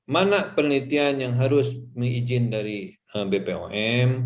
mana penelitian yang harus mengizin dari bpom